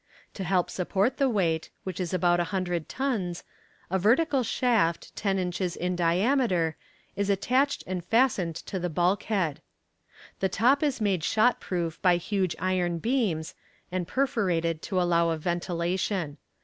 To help support the weight, which is about a hundred tons, a vertical shaft, ten inches in diameter, is attached and fastened to the bulk head. The top is made shot proof by huge iron beams, and perforated to allow of ventilation.